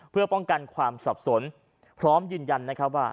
เพื่อป้องกันความสับสนพร้อมยืนยันนะครับว่า